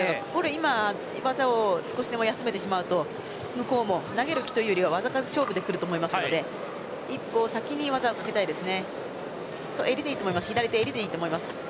今、技を少しでも休めてしまうと向こうも投げる気というよりは技数勝負で来ると思うので一歩先に技をかけたいです。